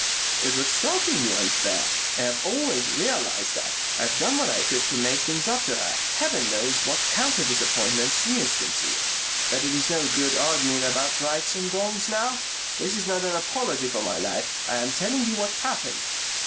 "It was shockingly unfair. I have always realized that. I've done what I could to make things up to her.... Heaven knows what counter disappointments she has concealed.... But it is no good arguing about rights and wrongs now. This is not an apology for my life. I am telling you what happened.